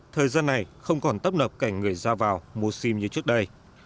thời gian này không còn tấp nập cảnh người ra vào mua sim như trước đây